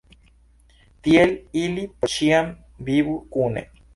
Tiel ili por ĉiam vivu kune.